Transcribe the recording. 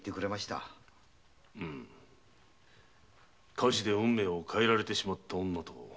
火事で運命を変えられてしまった女と。